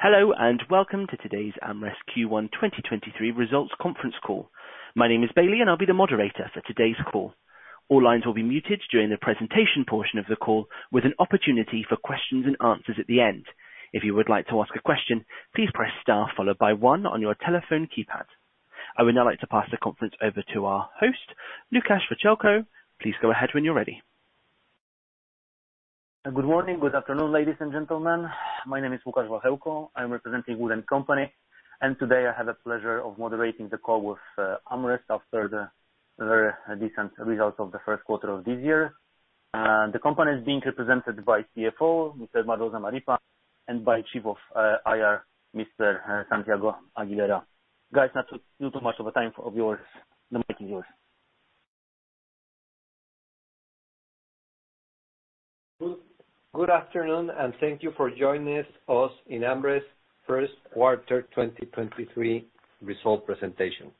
Hello, welcome to today's AmRest Q1 2023 results conference call. My name is Bailey, and I'll be the moderator for today's call. All lines will be muted during the presentation portion of the call, with an opportunity for questions and answers at the end. If you would like to ask a question, please press star followed by one on your telephone keypad. I would now like to pass the conference over to our host, Łukasz Wachełko. Please go ahead when you're ready. Good morning, good afternoon, ladies and gentlemen. My name is Łukasz Wachełko. I'm representing Wood & Company, and today, I have the pleasure of moderating the call with AmRest after the very decent results of the first quarter of this year. The company is being represented by CFO, Mr. Eduardo Zamarripa, and by Chief of IR, Mr. Santiago Aguilera. Guys, not to use too much of the time of yours, the mic is yours. Good afternoon, thank you for joining us in AmRest first quarter 2023 result presentation.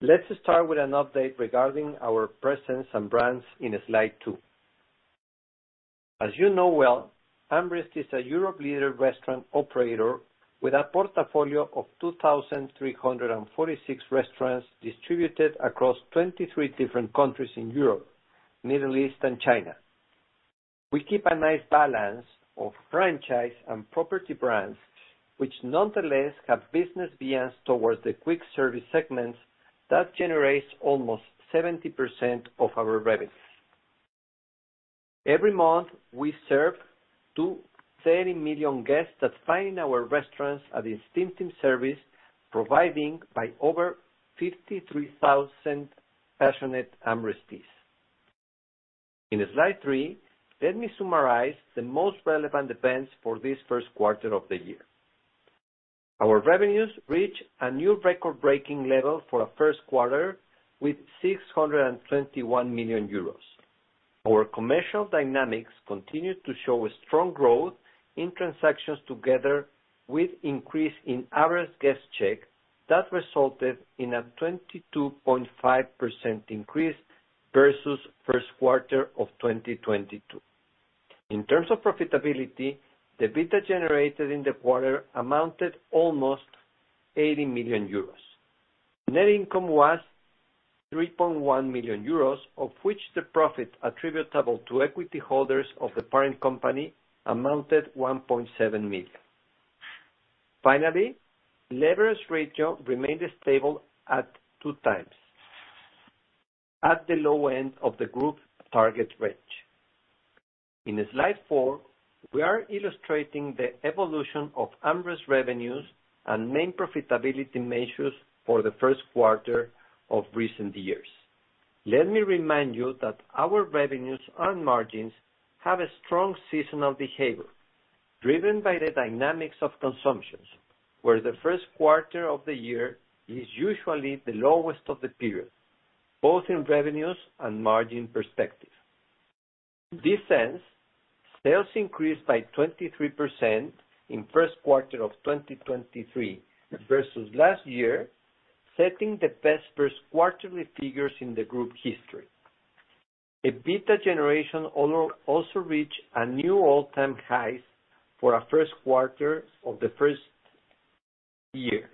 Let's start with an update regarding our presence and brands in slide two. As you know well, AmRest is a Europe leader restaurant operator with a portfolio of 2,346 restaurants distributed across 23 different countries in Europe, Middle East, and China. We keep a nice balance of franchise and property brands, which nonetheless have business bias towards the quick service segments that generates almost 70% of our revenue. Every month, we serve 30 million guests that find our restaurants at instinctive service, providing by over 53,000 passionate AmRestees. In slide three, let me summarize the most relevant events for this first quarter of the year. Our revenues reach a new record-breaking level for a first quarter with 621 million euros. Our commercial dynamics continued to show a strong growth in transactions together with increase in average guest check that resulted in a 22.5% increase versus first quarter of 2022. In terms of profitability, the EBITDA generated in the quarter amounted almost 80 million euros. Net income was 3.1 million euros, of which the profit attributable to equity holders of the parent company amounted 1.7 million. Finally, leverage ratio remained stable at 2x at the low end of the group target range. In slide four, we are illustrating the evolution of AmRest revenues and main profitability measures for the first quarter of recent years. Let me remind you that our revenues and margins have a strong seasonal behavior driven by the dynamics of consumptions, where the first quarter of the year is usually the lowest of the period, both in revenues and margin perspective. This ends, sales increased by 23% in first quarter of 2023 versus last year, setting the best first quarterly figures in the group history. EBITDA generation also reached a new all-time highs for a first quarter of the first year,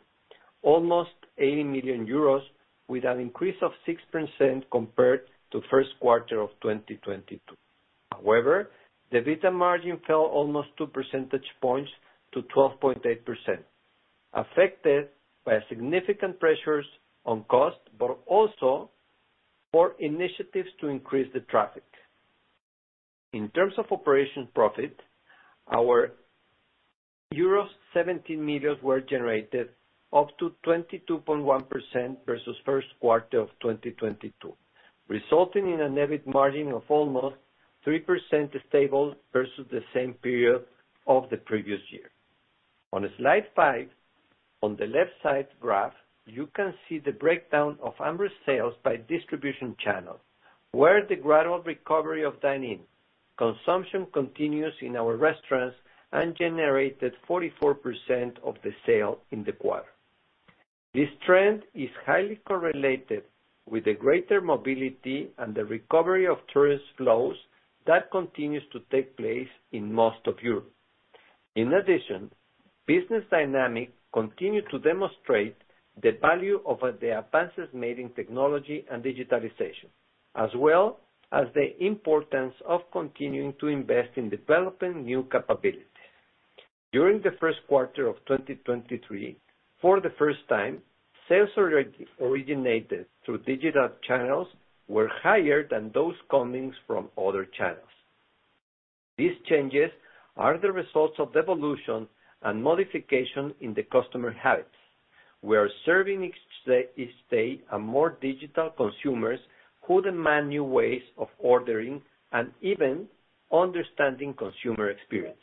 almost 80 million euros with an increase of 6% compared to first quarter of 2022. However, the EBITDA margin fell almost 2 percentage points to 12.8%, affected by significant pressures on cost but also for initiatives to increase the traffic. In terms of operating profit, our euro 17 million were generated up to 22.1% versus first quarter of 2022, resulting in an EBIT margin of almost 3% stable versus the same period of the previous year. On slide five, on the left side graph, you can see the breakdown of AmRest sales by distribution channel, where the gradual recovery of dine-in consumption continues in our restaurants and generated 44% of the sale in the quarter. This trend is highly correlated with the greater mobility and the recovery of tourist flows that continues to take place in most of Europe. In addition, business dynamic continued to demonstrate the value of the advances made in technology and digitalization, as well as the importance of continuing to invest in developing new capabilities. During the first quarter of 2023, for the first time, sales originated through digital channels were higher than those coming from other channels. These changes are the results of the evolution and modification in the customer habits. We are serving each day a more digital consumers who demand new ways of ordering and even understanding consumer experience.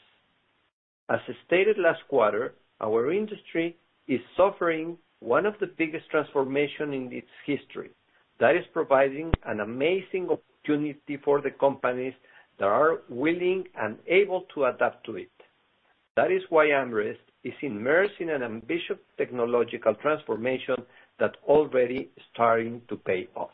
As stated last quarter, our industry is suffering one of the biggest transformation in its history that is providing an amazing opportunity for the companies that are willing and able to adapt to it. That is why AmRest is immersed in an ambitious technological transformation that already is starting to pay off.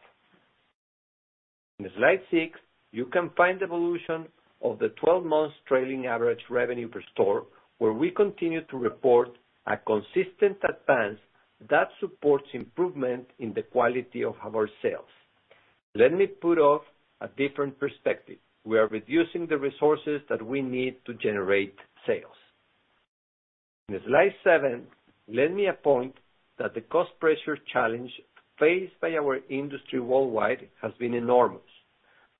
In slide six, you can find the evolution of the 12-month trailing average revenue per store, where we continue to report a consistent advance that supports improvement in the quality of our sales. Let me put off a different perspective. We are reducing the resources that we need to generate sales. In slide seven, let me appoint that the cost pressure challenge faced by our industry worldwide has been enormous,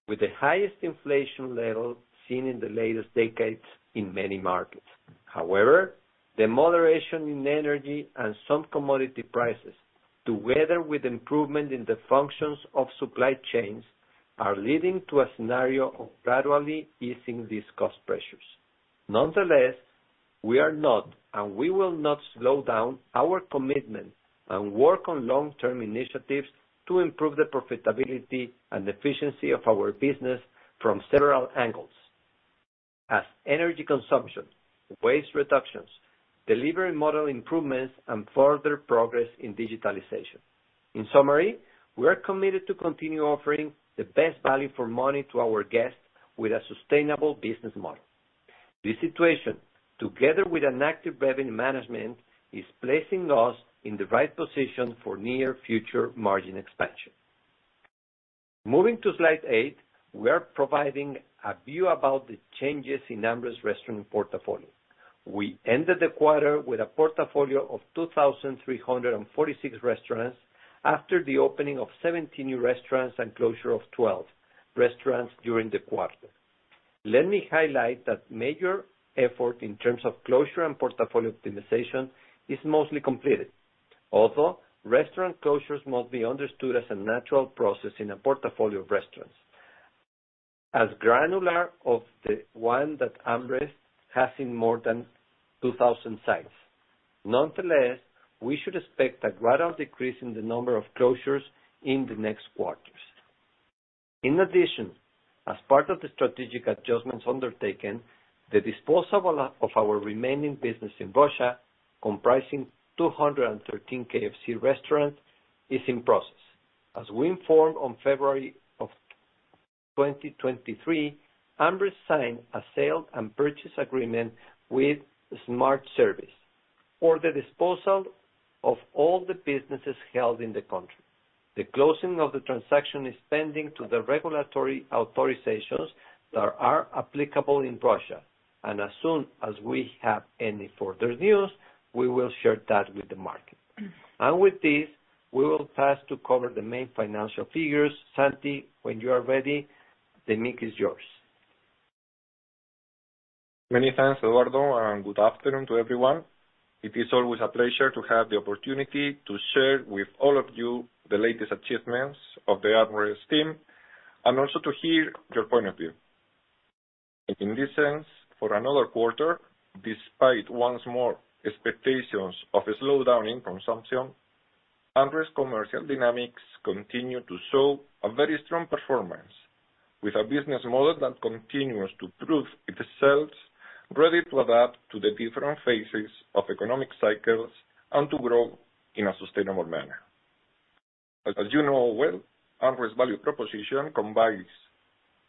with the highest inflation level seen in the latest decades in many markets. The moderation in energy and some commodity prices, together with improvement in the functions of supply chains, are leading to a scenario of gradually easing these cost pressures. We are not and we will not slow down our commitment and work on long-term initiatives to improve the profitability and efficiency of our business from several angles, as energy consumption, waste reductions, delivery model improvements, and further progress in digitalization. In summary, we are committed to continue offering the best value for money to our guests with a sustainable business model. This situation, together with an active revenue management, is placing us in the right position for near future margin expansion. Moving to slide eight, we are providing a view about the changes in AmRest restaurant portfolio. We ended the quarter with a portfolio of 2,346 restaurants after the opening of 17 new restaurants and closure of 12 restaurants during the quarter. Let me highlight that major effort in terms of closure and portfolio optimization is mostly completed. Restaurant closures must be understood as a natural process in a portfolio of restaurants, as granular of the one that AmRest has in more than 2,000 sites. We should expect a gradual decrease in the number of closures in the next quarters. In addition, as part of the strategic adjustments undertaken, the disposal of our remaining business in Russia, comprising 213 KFC restaurants, is in process. As we informed on February of 2023, AmRest signed a sale and purchase agreement with Smart Service for the disposal of all the businesses held in the country. The closing of the transaction is pending to the regulatory authorizations that are applicable in Russia. As soon as we have any further news, we will share that with the market. With this, we will pass to cover the main financial figures. Santi, when you are ready, the mic is yours. Many thanks, Eduardo. Good afternoon to everyone. It is always a pleasure to have the opportunity to share with all of you the latest achievements of the AmRest team and also to hear your point of view. In this sense, for another quarter, despite once more expectations of a slowdown in consumption, AmRest commercial dynamics continue to show a very strong performance with a business model that continues to prove itself ready to adapt to the different phases of economic cycles and to grow in a sustainable manner. As you know well, AmRest value proposition combines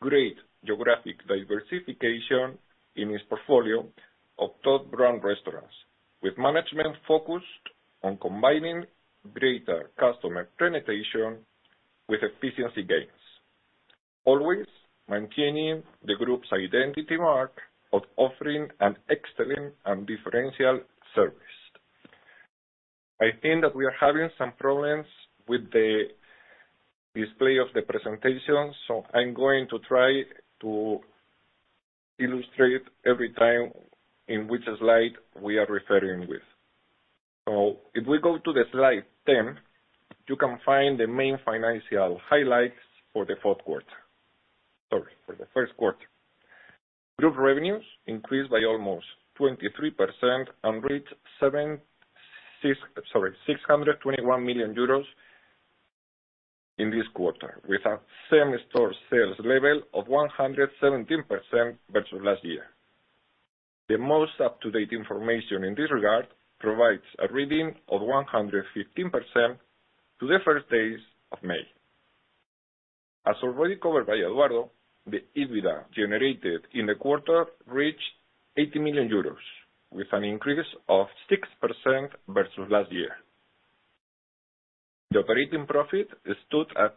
great geographic diversification in its portfolio of top brand restaurants, with management focused on combining greater customer penetration with efficiency gains, always maintaining the group's identity mark of offering an excellent and differential service. I think that we are having some problems with the display of the presentation, so I'm going to try to illustrate every time in which slide we are referring with. If we go to slide 10, you can find the main financial highlights for the fourth quarter. Sorry, for the first quarter. Group revenues increased by almost 23% and reached 621 million euros in this quarter, with a same-store sales level of 117% versus last year. The most up-to-date information in this regard provides a reading of 115% to the first days of May. As already covered by Eduardo, the EBITDA generated in the quarter reached 80 million euros, with an increase of 6% versus last year. The operating profit stood at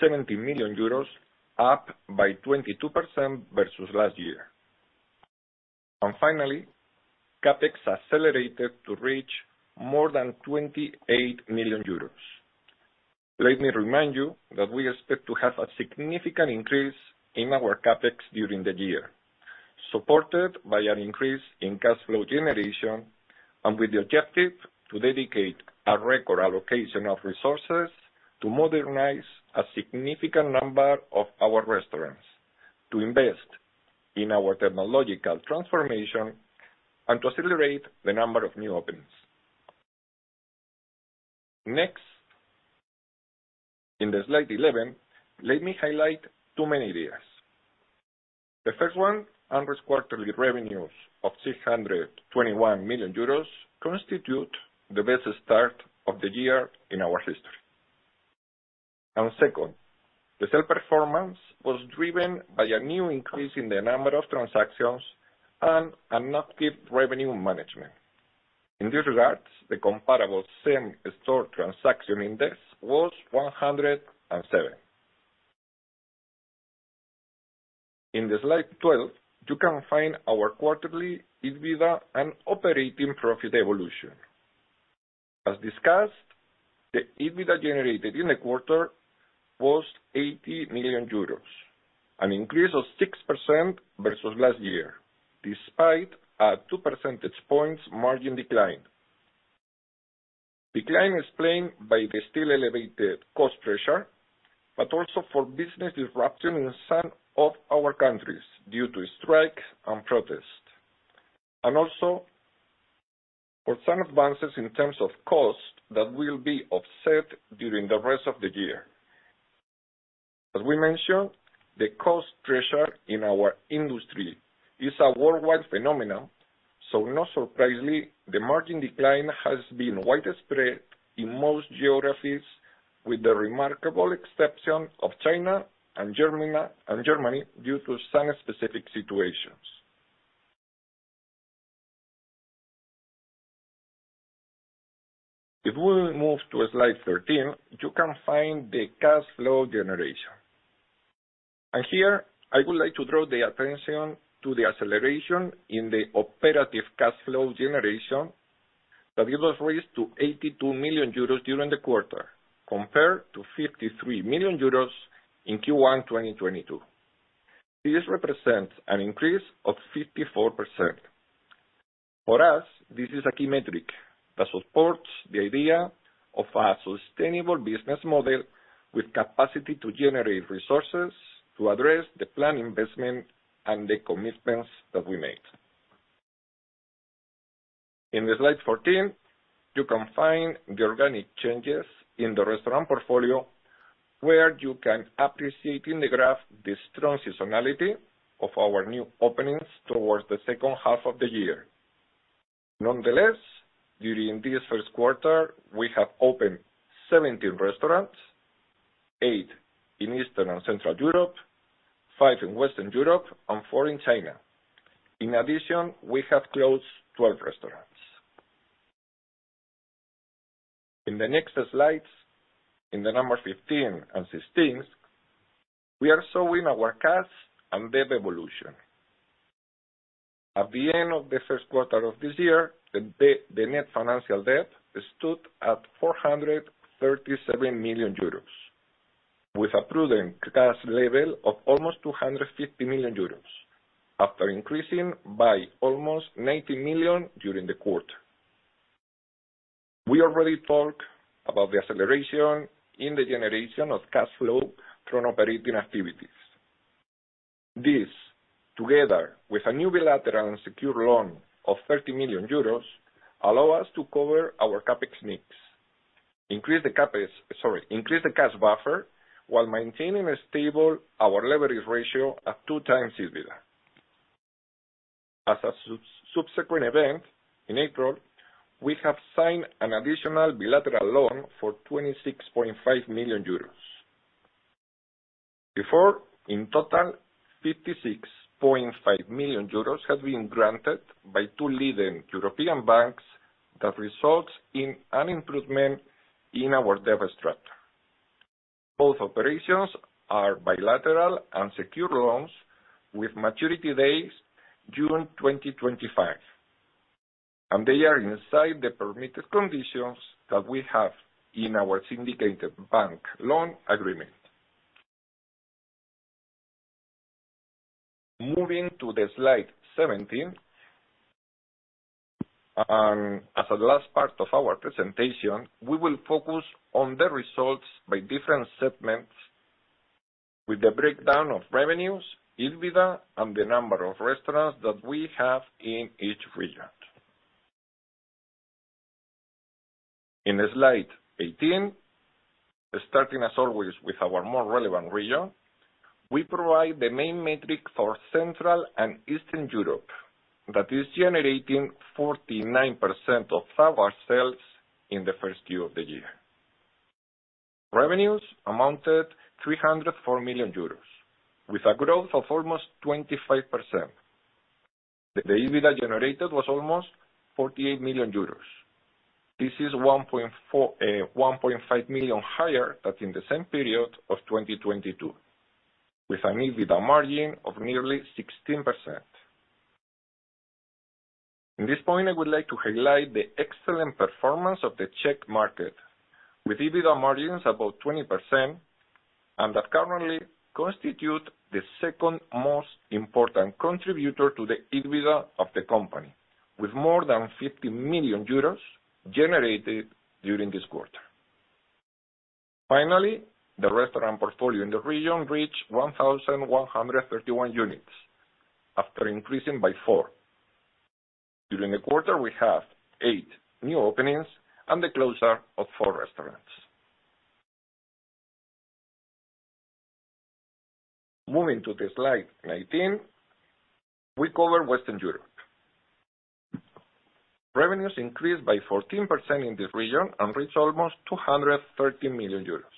70 million euros, up by 22% versus last year. Finally, CapEx accelerated to reach more than 28 million euros. Let me remind you that we expect to have a significant increase in our CapEx during the year, supported by an increase in cash flow generation and with the objective to dedicate a record allocation of resources to modernize a significant number of our restaurants, to invest in our technological transformation, and to accelerate the number of new openings. Next, in the slide 11, let me highlight two main ideas. The first one, AmRest quarterly revenues of 621 million euros constitute the best start of the year in our history. Second, the sale performance was driven by a new increase in the number of transactions and an active revenue management. In this regard, the comparable same-store transaction index was 107. In the slide 12, you can find our quarterly EBITDA and operating profit evolution. As discussed, the EBITDA generated in the quarter was 80 million euros, an increase of 6% versus last year, despite a 2 percentage points margin decline. Decline explained by the still elevated cost pressure, but also for business disruption in some of our countries due to strikes and protests, and also for some advances in terms of cost that will be offset during the rest of the year. As we mentioned, the cost pressure in our industry is a worldwide phenomenon, so not surprisingly, the margin decline has been widespread in most geographies, with the remarkable exception of China and Germany due to some specific situations. If we move to slide 13, you can find the cash flow generation. Here, I would like to draw the attention to the acceleration in the operating cash flow generation that it was raised to 82 million euros during the quarter, compared to 53 million euros in Q1 2022. This represents an increase of 54%. For us, this is a key metric that supports the idea of a sustainable business model with capacity to generate resources to address the planned investment and the commitments that we made. In the slide 14, you can find the organic changes in the restaurant portfolio, where you can appreciate in the graph the strong seasonality of our new openings towards the second half of the year. Nonetheless, during this first quarter, we have opened 17 restaurants, 8 in Eastern and Central Europe, 5 in Western Europe, and 4 in China. In addition, we have closed 12 restaurants. In the next slides, in the number 15 and 16, we are showing our cash and debt evolution. At the end of the first quarter of this year, the net financial debt stood at 437 million euros, with a prudent cash level of almost 250 million euros after increasing by almost 90 million during the quarter. We already talked about the acceleration in the generation of cash flow from operating activities. This, together with a new bilateral and secure loan of 30 million euros, allow us to cover our CapEx needs, increase the CapEx, sorry, increase the cash buffer while maintaining stable our leverage ratio at 2x EBITDA. As a subsequent event, in April, we have signed an additional bilateral loan for 26.5 million euros. Before, in total, 56.5 million euros have been granted by two leading European banks that results in an improvement in our debt structure. Both operations are bilateral and secure loans with maturity dates June 2025. They are inside the permitted conditions that we have in our syndicated bank loan agreement. Moving to slide 17, as a last part of our presentation, we will focus on the results by different segments with the breakdown of revenues, EBITDA, and the number of restaurants that we have in each region. In slide 18, starting as always with our more relevant region, we provide the main metric for Central and Eastern Europe that is generating 49% of our sales in the first Q of the year. Revenues amounted 304 million euros, with a growth of almost 25%. The EBITDA generated was almost 48 million euros. This is 1.5 million higher than in the same period of 2022, with an EBITDA margin of nearly 16%. In this point, I would like to highlight the excellent performance of the Czech market, with EBITDA margins above 20% and that currently constitute the second most important contributor to the EBITDA of the company, with more than 50 million euros generated during this quarter. Finally, the restaurant portfolio in the region reached 1,131 units after increasing by four. During the quarter, we have eight new openings and the closure of four restaurants. Moving to the slide 19, we cover Western Europe. Revenues increased by 14% in this region and reached almost 230 million euros.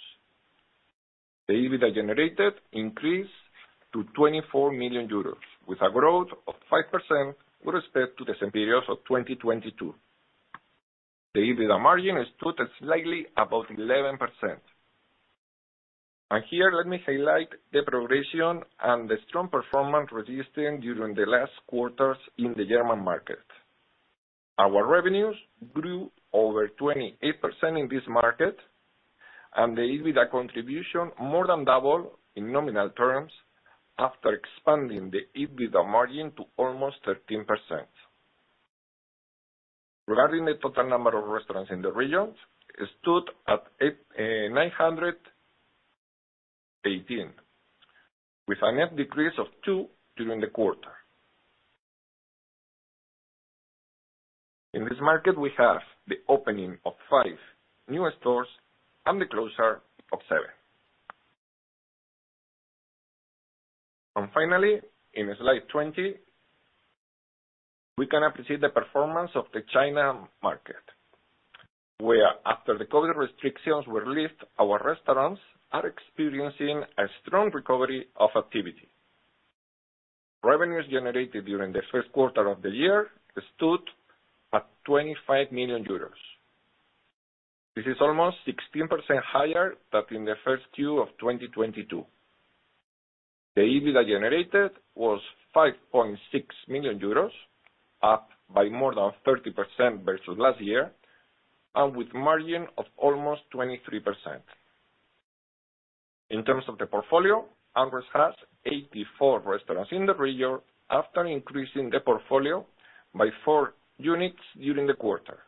The EBITDA generated increased to 24 million euros with a growth of 5% with respect to the same period of 2022. The EBITDA margin stood slightly above 11%. Here, let me highlight the progression and the strong performance registered during the last quarters in the German market. Our revenues grew over 28% in this market, and the EBITDA contribution more than double in nominal terms after expanding the EBITDA margin to almost 13%. Regarding the total number of restaurants in the region, it stood at 918 restaurants, with a net decrease of 2 during the quarter. In this market, we have the opening of 5 new stores and the closure of 7 stores. Finally, in slide 20, we can appreciate the performance of the China market, where after the COVID restrictions were lifted, our restaurants are experiencing a strong recovery of activity. Revenues generated during the first quarter of the year stood at 25 million euros. This is almost 16% higher than in the first Q of 2022. The EBITDA generated was 5.6 million euros, up by more than 30% versus last year and with margin of almost 23%. In terms of the portfolio, AmRest has 84 restaurants in the region after increasing the portfolio by 4 units during the quarter.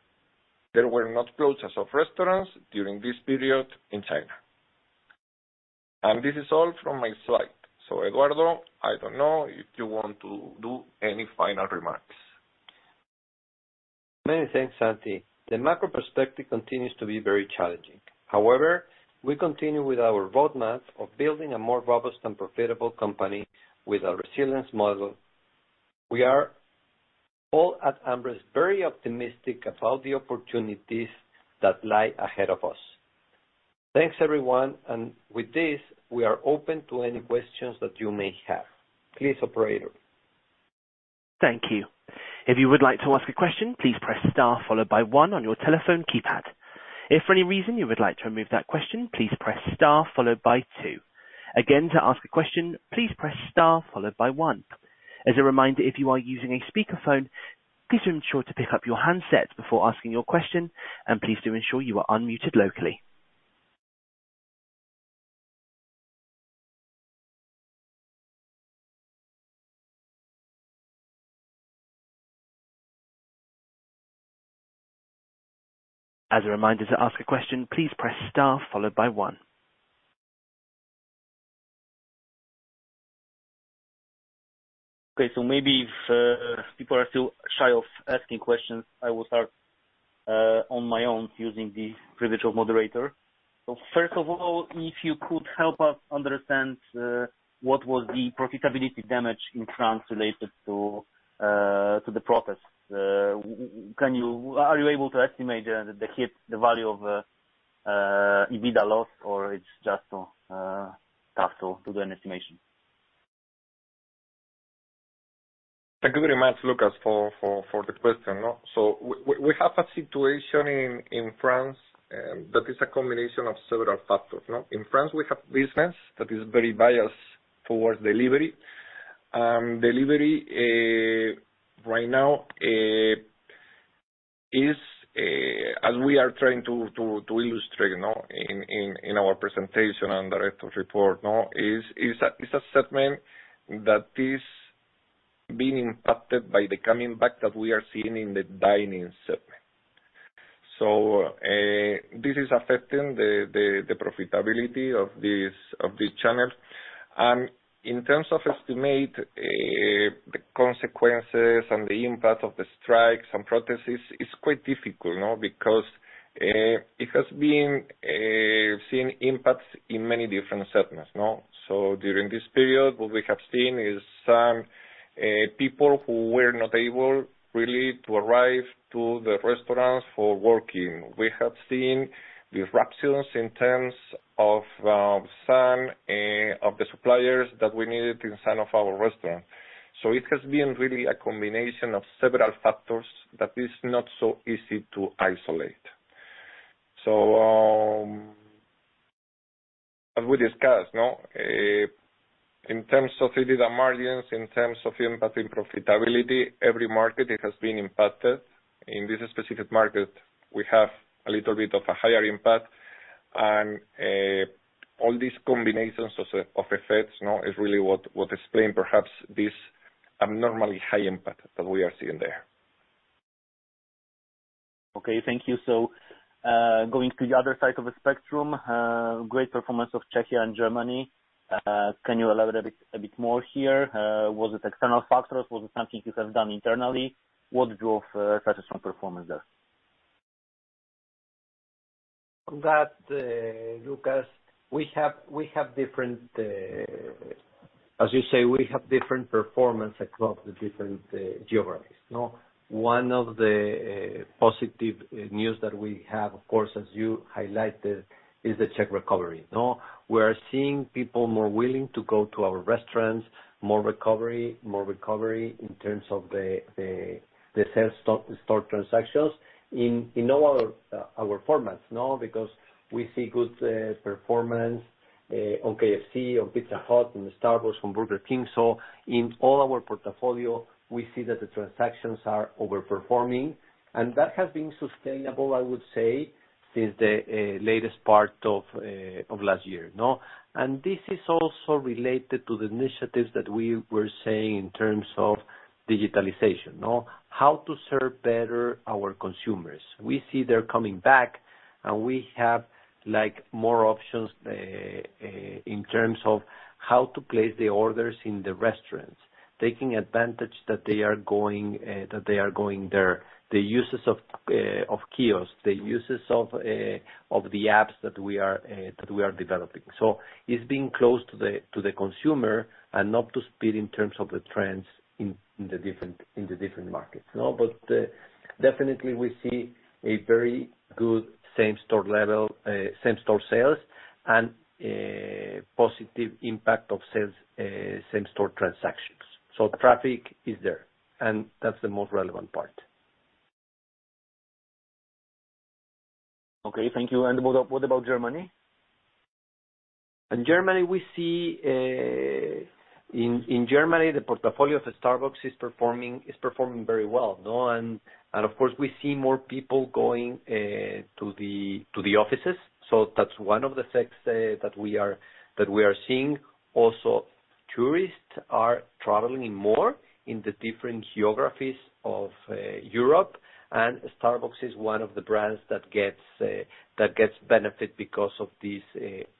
There were no closures of restaurants during this period in China. This is all from my slide. Eduardo, I don't know if you want to do any final remarks. Many thanks, Santi. The macro perspective continues to be very challenging. However, we continue with our roadmap of building a more robust and profitable company with our resilience model. We are all at AmRest very optimistic about the opportunities that lie ahead of us. Thanks, everyone. With this, we are open to any questions that you may have. Please, operator. Thank you. If you would like to ask a question, please press star followed by one on your telephone keypad. If for any reason you would like to remove that question, please press star followed by two. Again, to ask a question, please press star followed by one. As a reminder, if you are using a speakerphone, please ensure to pick up your handset before asking your question, and please do ensure you are unmuted locally. As a reminder to ask a question, please press star followed by one. Maybe if people are still shy of asking questions, I will start on my own using the privilege of moderator. First of all, if you could help us understand what was the profitability damage in France related to the protests. Are you able to estimate the hit, the value of EBITDA loss or it's just tough to do an estimation? Thank you very much, Lukasz for the question. We have a situation in France that is a combination of several factors, no? In France, we have business that is very biased towards delivery. Delivery right now is as we are trying to illustrate, you know, in our presentation and the rest of report, no, is a segment that is being impacted by the coming back that we are seeing in the dining segment. This is affecting the profitability of this channel. In terms of estimate, the consequences and the impact of the strikes and protests, it's quite difficult, you know, because it has been seeing impacts in many different segments, no? During this period, what we have seen is some people who were not able really to arrive to the restaurants for working. We have seen disruptions in terms of some of the suppliers that we needed in some of our restaurants. It has been really a combination of several factors that is not so easy to isolate. As we discussed, no, in terms of EBITDA margins, in terms of impact in profitability, every market it has been impacted. In this specific market, we have a little bit of a higher impact. All these combinations of effects, you know, is really what explain perhaps this abnormally high impact that we are seeing there. Okay. Thank you. Going to the other side of the spectrum, great performance of Czechia and Germany. Can you elaborate a bit more here? Was it external factors? Was it something you have done internally? What drove such a strong performance there? Lukasz, we have different, as you say, we have different performance across the different geographies. One of the positive news that we have, of course, as you highlighted, is the Czech recovery. We are seeing people more willing to go to our restaurants, more recovery, more recovery in terms of the same-store transactions in all our formats. We see good performance on KFC, on Pizza Hut, in Starbucks, from Burger King. In all our portfolio, we see that the transactions are overperforming. That has been sustainable, I would say, since the latest part of last year. This is also related to the initiatives that we were saying in terms of digitalization. How to serve better our consumers. We see they're coming back, and we have, like, more options in terms of how to place the orders in the restaurants, taking advantage that they are going there. The uses of kiosks, the uses of the apps that we are developing. It's being close to the consumer and up to speed in terms of the trends in the different markets, no? Definitely we see a very good same-store level, same-store sales and positive impact of sales, same-store transactions. Traffic is there, and that's the most relevant part. Okay. Thank you. What about Germany? In Germany, the portfolio of Starbucks is performing very well, no? Of course, we see more people going to the offices. That's one of the effects that we are seeing. Also, tourists are traveling more in the different geographies of Europe. Starbucks is one of the brands that gets benefit because of this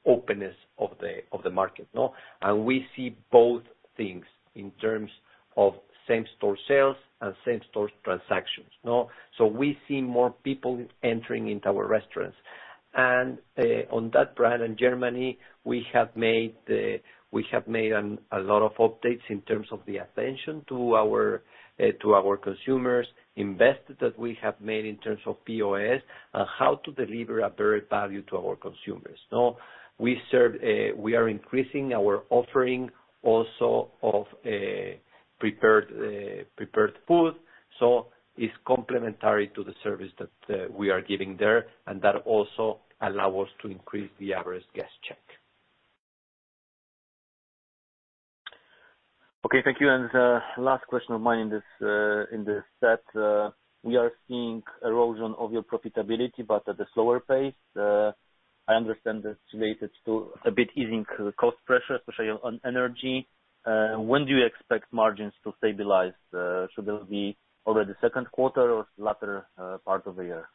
openness of the market, no? We see both things in terms of same-store sales and same-store transactions, no? We see more people entering into our restaurants. On that brand in Germany, we have made a lot of updates in terms of the attention to our to our consumers, investments that we have made in terms of POS, and how to deliver a better value to our consumers, no? We serve, we are increasing our offering also of prepared food, so it's complementary to the service that we are giving there, and that also allow us to increase the average guest check. Okay, thank you. Last question of mine in this in this set, we are seeing erosion of your profitability, but at a slower pace. I understand that's related to a bit easing cost pressure, especially on energy. When do you expect margins to stabilize? Should it be over the second quarter or latter part of the year?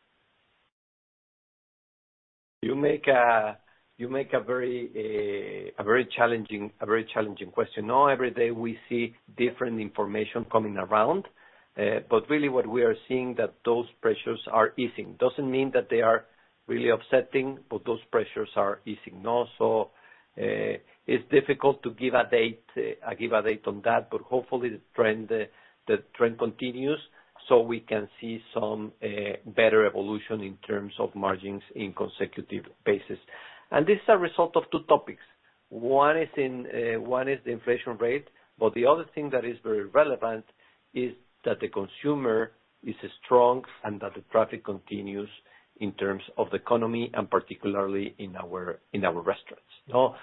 You make a very challenging question. Every day we see different information coming around. But really what we are seeing that those pressures are easing. Doesn't mean that they are really upsetting, but those pressures are easing, no? It's difficult to give a date on that, but hopefully the trend continues, so we can see some better evolution in terms of margins in consecutive basis. This is a result of two topics. One is the inflation rate, but the other thing that is very relevant is that the consumer is strong and that the traffic continues in terms of the economy and particularly in our restaurants, no?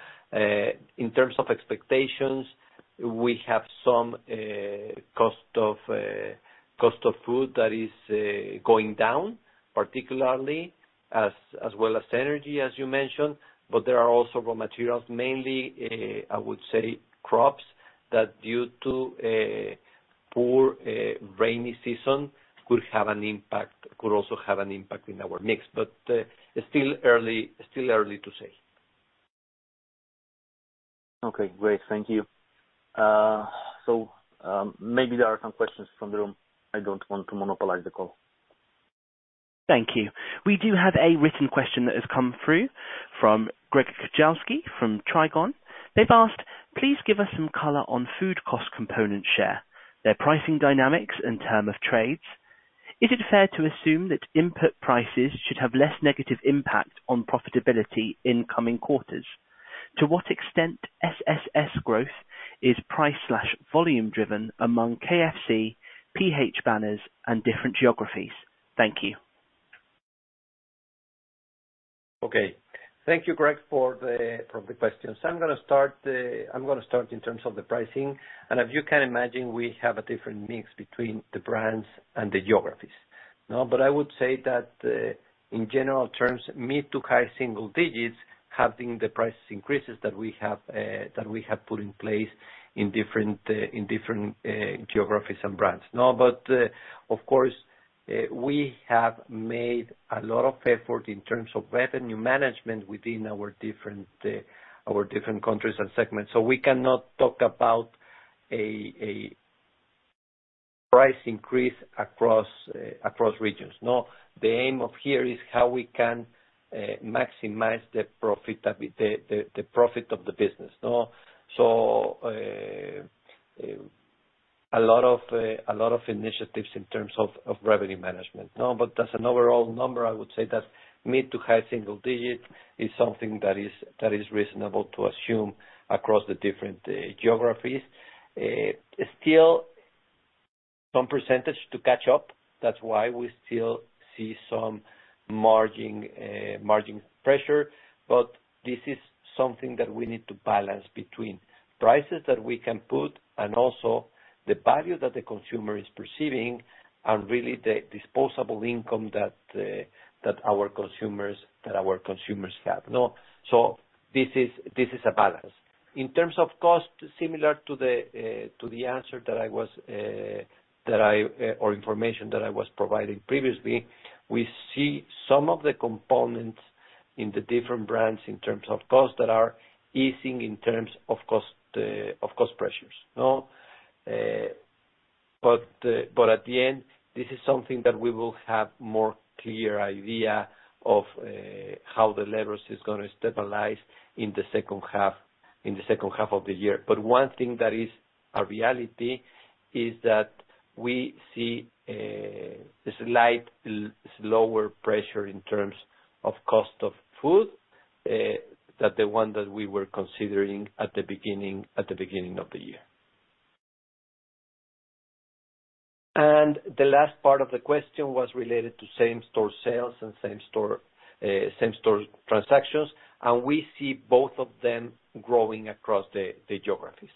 In terms of expectations, we have some cost of food that is going down, particularly as well as energy, as you mentioned, but there are also raw materials, mainly, I would say crops, that due to a poor, rainy season could have an impact, could also have an impact in our mix. It's still early, still early to say. Okay, great. Thank you. Maybe there are some questions from the room. I don't want to monopolize the call. Thank you. We do have a written question that has come through from Grzegorz Kujawski from Trigon. They've asked, "Please give us some color on food cost component share, their pricing dynamics and term of trades. Is it fair to assume that input prices should have less negative impact on profitability in coming quarters? To what extent SSS growth is price/volume driven among KFC, PH banners and different geographies?" Thank you. Okay. Thank you, Greg, for the questions. I'm gonna start in terms of the pricing. If you can imagine, we have a different mix between the brands and the geographies, no? I would say that in general terms, mid-to-high single digits have been the price increases that we have put in place in different geographies and brands, no? Of course, we have made a lot of effort in terms of revenue management within our different countries and segments. We cannot talk about a price increase across regions. No, the aim of here is how we can maximize the profit of the business. No. A lot of initiatives in terms of revenue management. No, as an overall number, I would say that mid to high single-digit is something that is reasonable to assume across the different geographies. Still some percentage to catch up. That's why we still see some margin pressure. This is something that we need to balance between prices that we can put and also the value that the consumer is perceiving and really the disposable income that our consumers have. No. This is a balance. In terms of cost, similar to the answer that I was. or information that I was providing previously, we see some of the components in the different brands in terms of cost that are easing in terms of cost pressures. No? But at the end, this is something that we will have more clear idea of how the levers is gonna stabilize in the second half of the year. One thing that is a reality is that we see a slight lower pressure in terms of cost of food that the one that we were considering at the beginning of the year. The last part of the question was related to same-store sales and same-store transactions, and we see both of them growing across the geographies.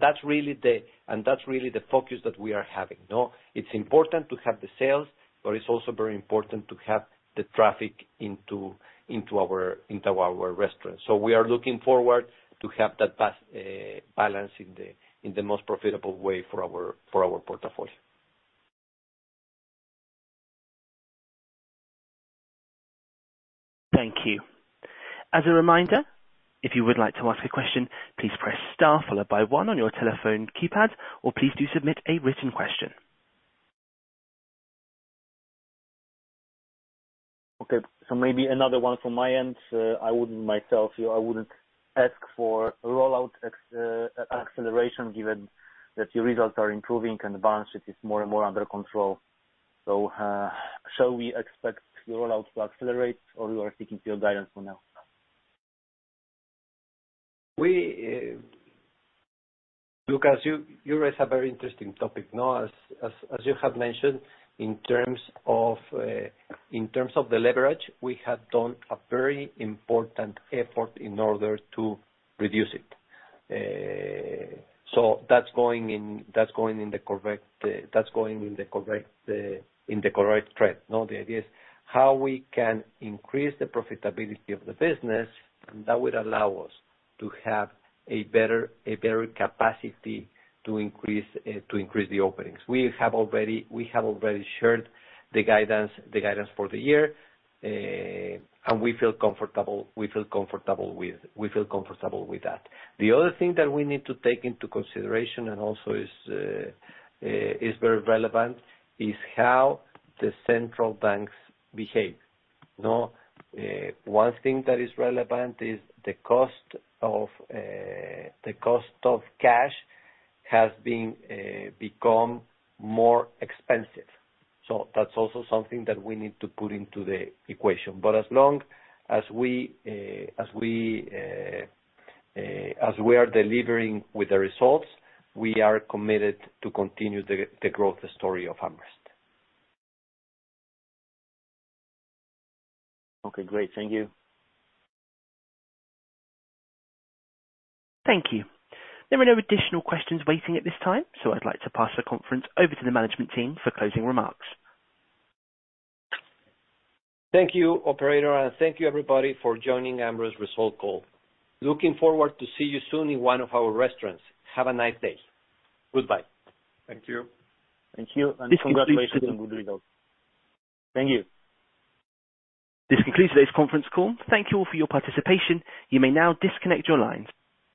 That's really the focus that we are having. No? It's important to have the sales, but it's also very important to have the traffic into our restaurants. We are looking forward to have that balance in the most profitable way for our portfolio. Thank you. As a reminder, if you would like to ask a question, please press star followed by one on your telephone keypad, or please do submit a written question. Okay. Maybe another one from my end. I wouldn't myself, you know, I wouldn't ask for rollout acceleration given that your results are improving and balance sheet is more and more under control. Shall we expect the rollout to accelerate or you are sticking to your guidance for now? Lucas, you raise a very interesting topic. Now, as you have mentioned, in terms of, in terms of the leverage, we have done a very important effort in order to reduce it. That's going in the correct, in the correct trend. Now, the idea is how we can increase the profitability of the business, and that would allow us to have a better capacity to increase the openings. We have already shared the guidance for the year, and we feel comfortable with that. The other thing that we need to take into consideration and also is very relevant, is how the central banks behave. No? One thing that is relevant is the cost of cash has become more expensive. That's also something that we need to put into the equation. As long as we are delivering with the results, we are committed to continue the growth story of AmRest. Okay, great. Thank you. Thank you. There are no additional questions waiting at this time. I'd like to pass the conference over to the management team for closing remarks. Thank you, operator, and thank you everybody for joining AmRest Result Call. Looking forward to see you soon in one of our restaurants. Have a nice day. Goodbye. Thank you. Thank you. Congratulations on good results. Thank you. This concludes today's conference call. Thank you all for your participation. You may now disconnect your lines.